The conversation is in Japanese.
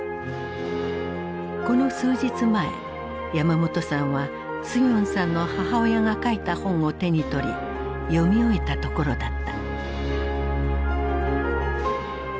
この数日前山本さんはスヒョンさんの母親が書いた本を手に取り読み終えたところだった。